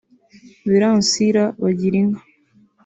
Bellancille Bagirinka